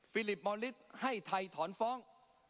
ลิปมอลิสให้ไทยถอนฟ้อง